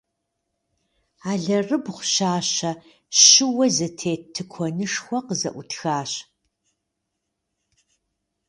Алэрыбгъу щащэ, щыуэ зэтет тыкуэнышхуэ къызэӏутхащ.